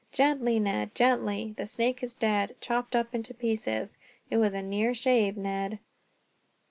"Gently, Ned, gently. The snake is dead, chopped up into pieces. It was a near shave, Ned."